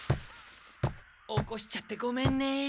起こしちゃってごめんね。